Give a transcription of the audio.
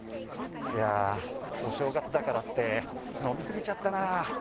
「いやあお正月だからって飲みすぎちゃったなあ」